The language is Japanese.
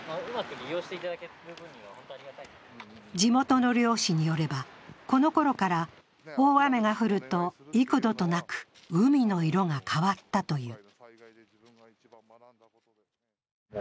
地元の漁師によればこのころから大雨が降ると幾度となく海の色が変わったという。